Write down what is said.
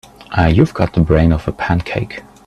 You've got the brain of a pancake.